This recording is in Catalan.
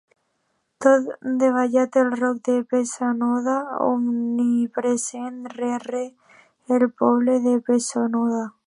Tots davallen del Roc de Pessonada, omnipresent rere el poble de Pessonada.